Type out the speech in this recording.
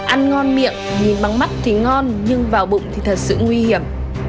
ăn ngon miệng nhìn bằng mắt thì ngon nhưng vào bụng thì thật sự nguy hiểm